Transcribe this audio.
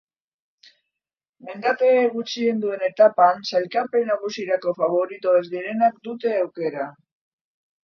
Mendate gutxien duen etapan sailkapen nagusirako faborito ez direnek dute aukera.